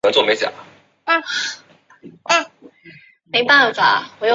莫赫林与苏格兰民族诗人彭斯有密切关系。